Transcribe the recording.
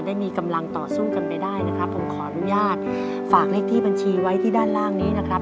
ได้มีกำลังต่อสู้กันไปได้นะครับผมขออนุญาตฝากเลขที่บัญชีไว้ที่ด้านล่างนี้นะครับ